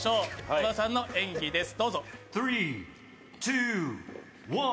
小田さんの演技です。